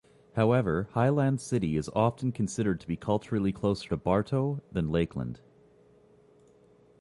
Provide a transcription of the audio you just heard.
However, Highland City is often considered to be culturally closer to Bartow than Lakeland.